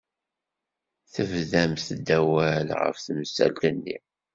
Tebdamt-d awal ɣef temsalt-nni.